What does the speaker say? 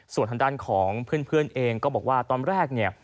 ส่วนทางด้านของเพื่อนเองก็บอกว่าตอนแรกเนี่ย